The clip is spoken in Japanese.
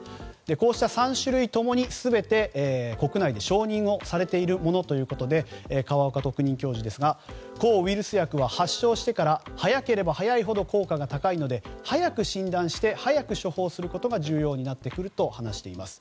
こうした３種類とも、全て国内で承認をされているものということで河岡特任教授ですが抗ウイルス薬は発症してから早ければ早いほど効果が高いので早く診断して早く処方することが重要と話しています。